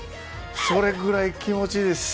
それぐらい気持ちいいです。